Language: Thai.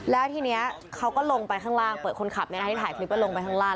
แล้วทีนี้เขาก็ลงไปข้างล่างเปิดคนขับที่ถ่ายคลิปก็ลงไปข้างล่าง